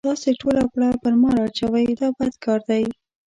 تاسې ټوله پړه په ما را اچوئ دا بد کار دی.